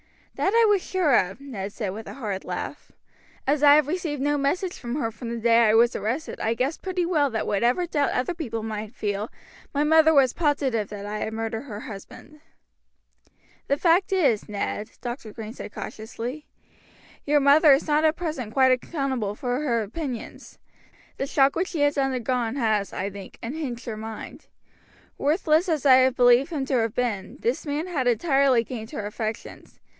"That I was sure of," Ned said with a hard laugh. "As I have received no message from her from the day I was arrested I guessed pretty well that whatever doubt other people might feel, my mother was positive that I had murdered her husband." "The fact is, Ned," Dr. Green said cautiously, "your mother is not at present quite accountable for her opinions. The shock which she has undergone has, I think, unhinged her mind. Worthless as I believe him to have been, this man had entirely gained her affections.